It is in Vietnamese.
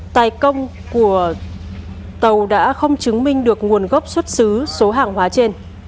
tài công của tàu đã không chứng minh được nguồn gốc xuất xứ số hàng hóa trên